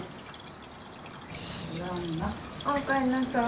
ああおかえりなさい。